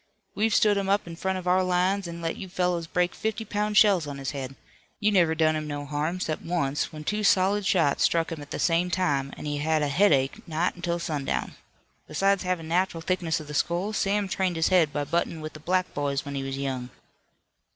We've stood him up in front of our lines, and let you fellows break fifty pound shells on his head. You never done him no harm, 'cept once when two solid shot struck him at the same time an' he had a headache nigh until sundown. Besides havin' natural thickness of the skull Sam trained his head by buttin' with the black boys when he was young."